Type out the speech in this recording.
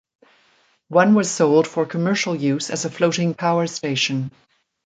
One was sold for commercial use as a floating power station.